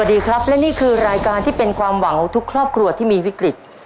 สวัสดีครับและนี่คือรายการที่เป็นความหวังของทุกครอบครัวที่มีวิกฤต